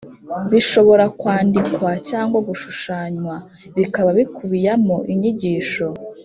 bishobora kwandikwa cyangwa gushushanywa bikaba bikubiyamo inyigisho.